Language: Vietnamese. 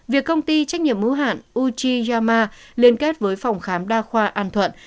việc công ty trách nhiệm mũ hạn uchiyama liên kết với phòng khám đa khoa an thuận